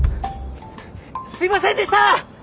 すいませんでした！